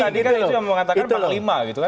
tapi tadi kan itu yang mengatakan panglima gitu kan